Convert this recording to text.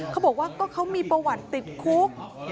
เขาบอกว่าก็เขามีประวัติติดคุก